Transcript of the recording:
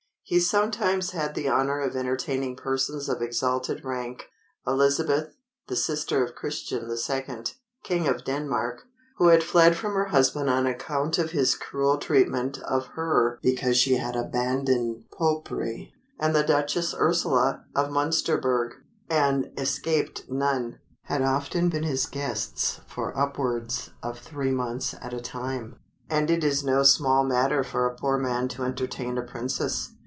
He sometimes had the honor of entertaining persons of exalted rank. Elizabeth, the sister of Christian II., King of Denmark, who had fled from her husband on account of his cruel treatment of her because she had abandoned popery, and the Duchess Ursula of Münsterberg, an escaped nun, had often been his guests for upwards of three months at a time, and it is no small matter for a poor man to entertain a princess.